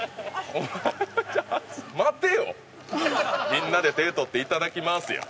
みんなで手取って「いただきます」や。